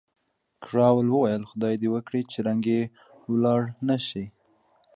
کراول وویل، خدای دې وکړي چې رنګ یې ولاړ نه شي.